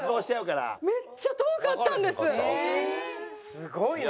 すごいね。